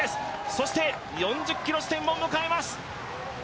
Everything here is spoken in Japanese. そして、４０ｋｍ地点を迎えます。